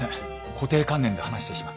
固定観念で話してしまって。